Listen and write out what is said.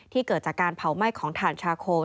เกิดจากการเผาไหม้ของถ่านชาโค